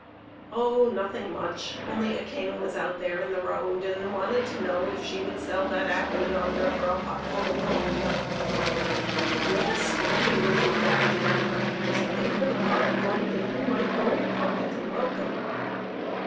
Oh, nothing much ; only a king was out there in the road, and wanted to know if she would sell the apple yonder for a potful of gold. Yes, the woman would do that. Just pay her the pot of gold and he might go and pluck it and welcome.